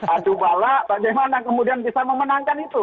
adubalak bagaimana kemudian bisa memenangkan itu